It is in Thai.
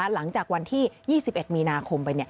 หลังจากวันที่๒๑มีนาคมไป